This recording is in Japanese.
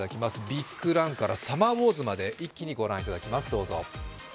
ビッグランからサマーウォーズまで一気にご覧いただきます。